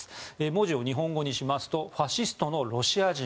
文字を日本語にしますとファシストのロシア人！